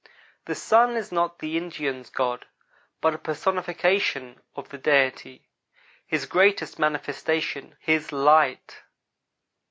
The sun is not the Indian's God, but a personification of the Deity; His greatest manifestation; His light.